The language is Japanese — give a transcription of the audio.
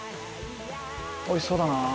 おいしそうだな。